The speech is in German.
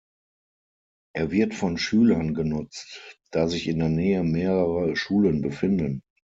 Er wird von Schülern genutzt, da sich in der Nähe mehrere Schulen befinden.